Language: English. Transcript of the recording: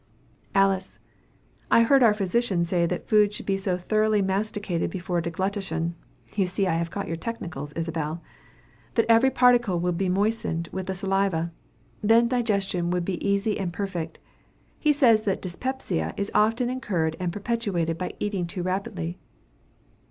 Alice. I heard our physician say that food should be so thoroughly masticated before deglutition (you see I have caught your technicals, Isabel,) that every particle would be moistened with the saliva. Then digestion would be easy and perfect. He says that dyspepsia is often incurred and perpetuated by eating too rapidly.